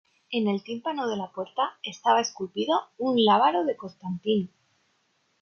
En el tímpano de la puerta, estaba esculpido un Lábaro de Constantino.